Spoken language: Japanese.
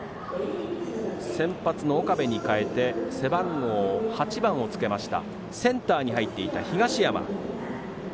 先発の岡部に代えて背番号８番をつけましたセンターに入っていた東山。